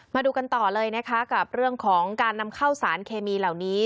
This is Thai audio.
มาดูกันต่อเลยนะคะกับเรื่องของการนำเข้าสารเคมีเหล่านี้